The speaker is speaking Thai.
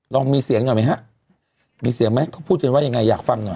ลองมีเสียงบอกมาฮะมีเสียงมั้ยพูดเกิดว่ายังไงอยากฟังหน่อย